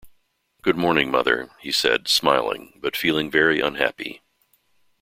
“Good-morning, mother,” he said, smiling, but feeling very unhappy.